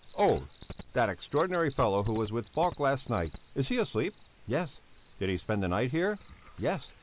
"Oh! That extraordinary fellow who was with Falk last night! Is he asleep?" "Yes." "Did he spend the night here?" "Yes."